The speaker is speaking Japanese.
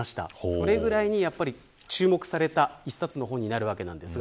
それくらいに注目された１冊の本です。